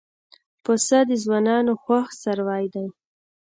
پسه د ځوانانو خوښ څاروی دی.